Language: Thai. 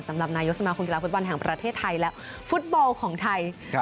สำหรับนายกสมาคมกีฬาฟุตบอลแห่งประเทศไทยและฟุตบอลของไทย